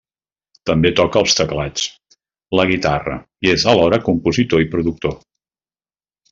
També toca els teclats, la guitarra i és alhora compositor i productor.